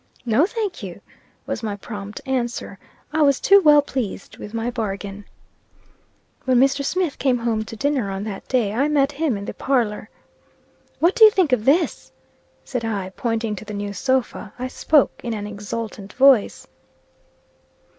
"No, thank you," was my prompt answer. I was too well pleased with my bargain. When Mr. Smith came home to dinner on that day, I met him in the parlor. "What do you think of this?" said I, pointing to the new sofa. I spoke in an exultant voice.